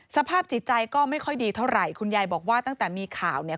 สภาพจิตใจก็ไม่ค่อยดีเท่าไหร่คุณยายบอกว่าตั้งแต่มีข่าวเนี่ย